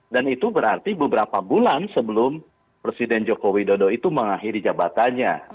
dan itu berarti beberapa bulan sebelum presiden joko widodo itu mengakhiri jabatannya